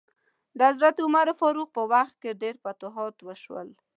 د حضرت عمر فاروق په وخت کې ډیر فتوحات وشول.